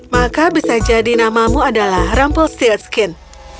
maka bisa jadi namamu adalah rumpelstiltskin